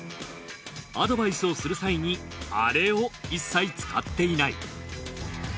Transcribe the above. アドバイスをする際にあれを一切使っていない。